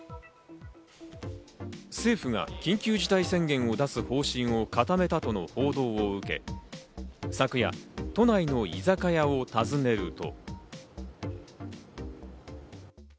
政府は緊急事態宣言を出す方針を固めたとの報道を受け、昨夜、都内の居酒屋を訪ねると。